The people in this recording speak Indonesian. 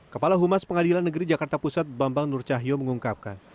kepala humas pengadilan negeri jakarta pusat bambang nurcahyo mengungkapkan